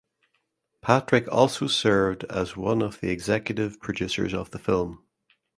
Patrick also served as one of the executive producers of the film.